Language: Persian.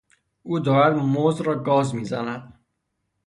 او دارد موز را گاز میزند.